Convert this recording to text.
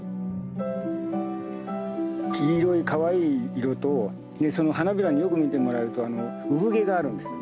黄色いかわいい色とその花びらよく見てもらうと産毛があるんです。